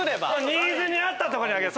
ニーズに合ったとこに上げる。